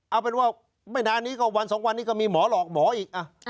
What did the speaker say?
เอาเป็นว่าไม่นานนี้ก็วันสองวันนี้ก็มีหมอหลอกหมออีก